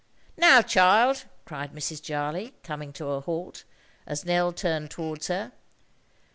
"Now, child?" cried Mrs. Jarley, coming to a halt, as Nell turned towards her.